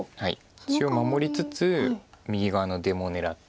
中央守りつつ右側の出も狙って。